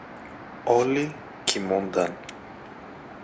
Όλοι κοιμούνταν.